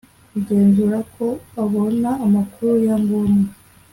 kugenzura ko abona amakuru ya ngombwa